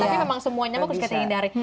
tapi memang semua nyamuk harus kita hindari